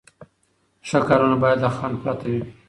ښه کارونه باید له خنډ پرته وي.